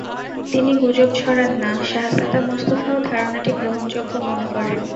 তিনি গুজব ছড়ান যে, শাহজাদা মোস্তফাও ধারণাটি গ্রহণযোগ্য মনে করেন।